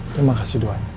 terima kasih doanya